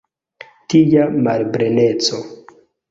Tia malpleneco!